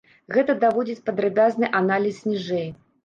Гэта даводзіць падрабязны аналіз ніжэй.